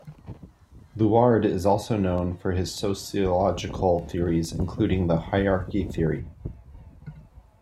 Luard is also known for his sociological theories including the hierarchy theory.